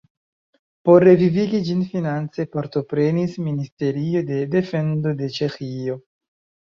Por revivigi ĝin finance partoprenis Ministerio de defendo de Ĉeĥio.